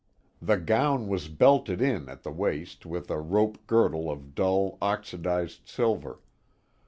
The gown was belted in at the waist with a rope girdle of dull, oxidized silver.